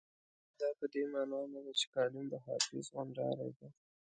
دا په دې مانا نه ده چې کالم د حافظ غونډارۍ ده.